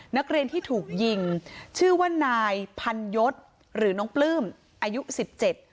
นักเรียนที่ถูกยิงชื่อว่านายพันยศหรือน้องปลื้มอายุสิบเจ็ด